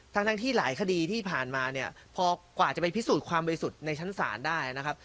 ทั้งที่หลายคดีที่ผ่านมาเนี่ยพอกว่าจะไปพิสูจน์ความบริสุทธิ์ในชั้นศาลได้นะครับ